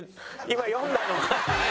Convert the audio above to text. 今読んだのが。